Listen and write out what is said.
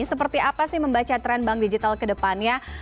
seperti apa sih membaca tren bank digital ke depannya